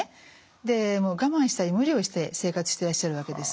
で我慢したり無理をして生活してらっしゃるわけです。